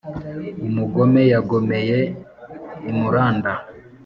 umugome yagomeye i muranda,